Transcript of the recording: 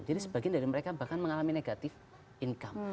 jadi sebagian dari mereka bahkan mengalami negative income